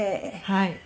はい。